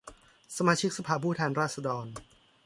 สมาชิกสภาผู้แทนราษฏร